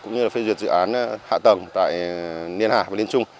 cũng như là phê duyệt dự án hạ tầng tại liên hà và liên trung